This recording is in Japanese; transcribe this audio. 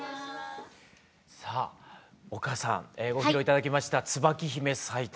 さあ丘さんご披露頂きました「椿姫咲いた」。